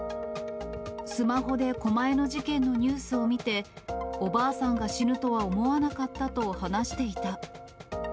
スマホで狛江の事件のニュースを見て、おばあさんが死ぬとは思わなかったと話していた。